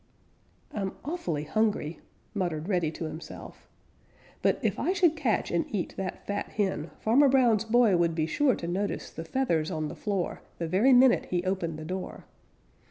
"I'm awfully hungry," muttered Reddy to himself, "but if I should catch and eat that fat hen, Farmer Brown's boy would be sure to notice the feathers on the floor the very minute he opened the door.